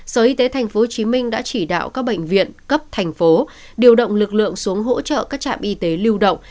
sở y tế tp hcm đã chỉ đạo các bệnh viện cấp thành phố điều động lực lượng xuống hỗ trợ các trạm y tế lưu động